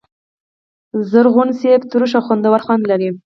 شنه مڼه ترش او خوندور خوند لري.